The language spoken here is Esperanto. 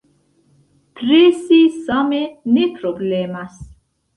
Presi same ne problemas.